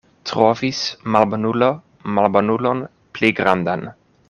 Trovis malbonulo malbonulon pli grandan.